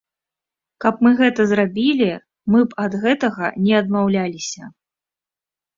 Каб мы гэта зрабілі, мы б ад гэтага не адмаўляліся.